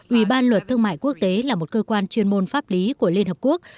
ủy ban luật thương mại quốc tế là một cơ quan chuyên môn pháp lý của liên hợp quốc